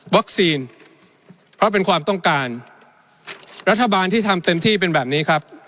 เพราะเป็นความต้องการรัฐบาลที่ทำเต็มที่เป็นแบบนี้ครับ